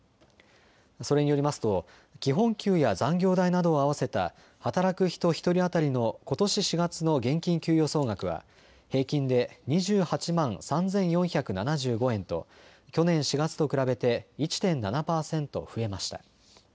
それによりますと基本給や残業代などを合わせた働く人１人当たりのことし４月の現金給与総額は平均で２８万３４７５円と去年４月と比べて１．７％増えました。